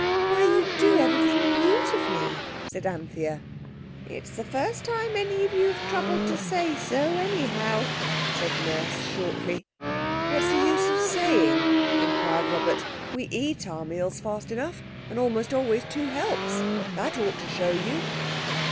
..." "Why, you do everything beautifully," said Anthea. "It's the first time any of you's troubled to say so, anyhow," said Nurse shortly. "What's the use of saying?" inquired Robert. "We eat our meals fast enough, and almost always two helps. That ought to show you!"